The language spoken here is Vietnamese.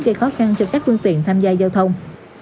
gây khó khăn cho các phương tiện tham gia giao thông